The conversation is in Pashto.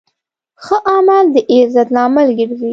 ښه عمل د عزت لامل ګرځي.